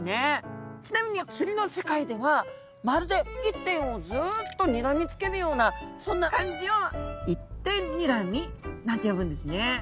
ちなみに釣りの世界ではまるで一点をずっとにらみつけるようなそんな感じを「一点にらみ」なんて呼ぶんですね。